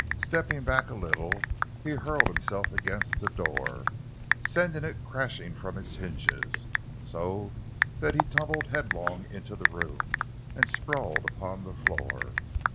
Stepping back a little, he hurled himself against the door, sending it crashing from its hinges, so that he tumbled headlong into the room and sprawled upon the floor.